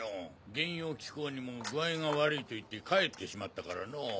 原因を聞こうにも具合が悪いと言って帰ってしまったからのぉ。